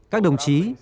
các đồng chí